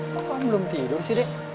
kok lo kan belum tidur sih dek